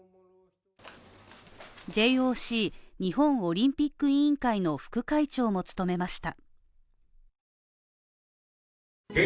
ＪＯＣ＝日本オリンピック委員会の副会長も務めました。